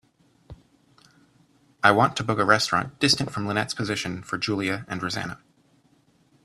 I want to book a restaurant distant from lynette's position for julia and rosanna.